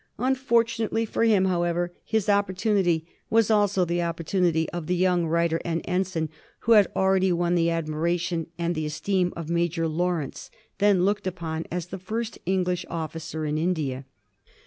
Unfortunately for him, however, his opportunity was also the opportunity of the young writer and ensign who had already won the admiration and the esteem of Major Lawrence, then looked upon as the first English officer in India.